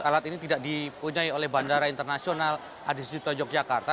alat ini tidak dipunyai oleh bandara internasional adi sucipto yogyakarta